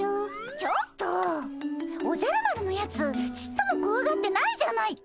ちょっとおじゃる丸のやつちっともこわがってないじゃないか。